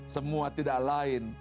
semua tidak lain